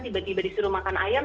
tiba tiba disuruh makan ayam